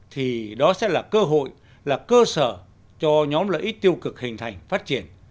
thì đó sẽ là cơ hội là cơ sở cho nhóm lợi ích tiêu cực hình thành phát triển